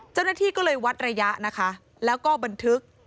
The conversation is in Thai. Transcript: เจ้าหน้าที่ก็เลยวัดระยะนะคะแล้วก็บันทึก